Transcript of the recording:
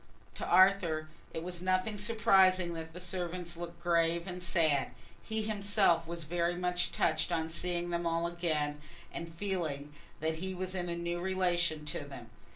To Arthur it was nothing surprising that the servants looked grave and sad: he himself was very much touched on seeing them all again, and feeling that he was in a new relation to them.